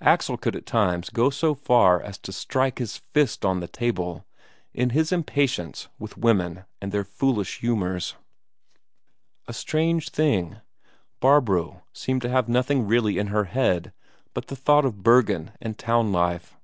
Axel could at times go so far as to strike his fist on the table in his impatience with women and their foolish humours. A strange thing, Barbro seemed to have nothing really in her head but the thought of Bergen and town life.